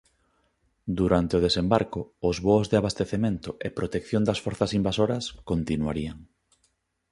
Durante o desembarco os voos de abastecemento e protección das forzas invasoras continuarían.